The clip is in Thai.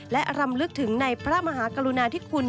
และรำลึกถึงในพระมหากรุณาธิคุณ